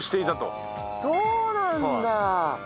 そうなんだ！